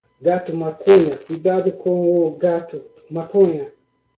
Gato maconha cuidado com o gato maconha